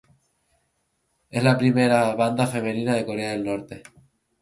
Es la primera Banda femenina de Corea del Norte.